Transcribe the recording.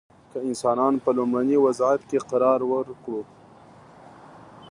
که انسانان په لومړني وضعیت کې قرار ورکړو.